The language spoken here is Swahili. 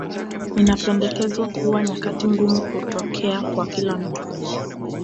Inapendekezwa kuwa nyakati ngumu hutokea kwa kila mtu